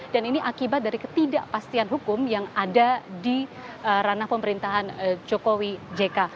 dan ini akibat dari ketidakpastian hukum yang ada di ranah pemerintahan jokowi jk